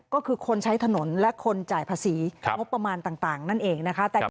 ก็คือคนใช้ถนนและคนจ่ายภาษีงบประมาณต่างนั่นเองนะคะ